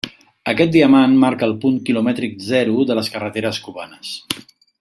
Aquest diamant marca el punt quilomètric zero de les carreteres cubanes.